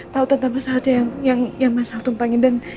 tau tentang masalah aja yang masalah tumpangin